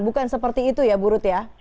bukan seperti itu ya bu rut ya